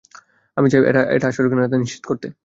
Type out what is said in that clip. আমি চাই এটা আসল কিনা তা নিশ্চিত করতে।